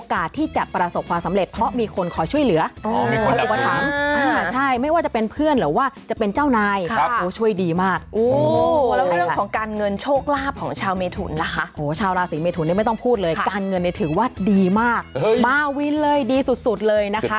การเงินแน่ถึงว่าดีมากมาวินเลยดีสุดเลยนะคะ